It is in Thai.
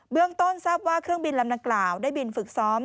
เรื่องต้นทราบว่าเครื่องบินลำดังกล่าวได้บินฝึกซ้อม